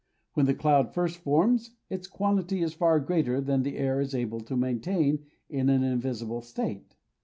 When the cloud first forms, its quantity is far greater than the air is able to maintain in an invisible state.